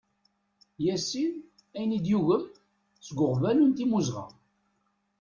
Yasin, aman i d-yugem, seg uɣbalu n timuzɣa.